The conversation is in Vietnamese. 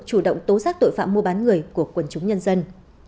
chủ động tố giác tội phạm mua bán người của quần chúng nhân dân